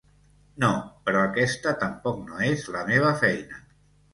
No, però aquesta tampoc no és la meva feina.